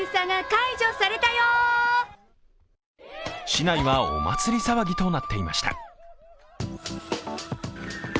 市内はお祭り騒ぎとなっていました。